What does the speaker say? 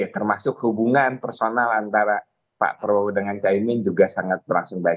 termasuk hubungan personal antara pak prabowo dengan caimin juga sangat berlangsung baik